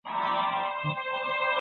ته راته وعده خپل د کرم راکه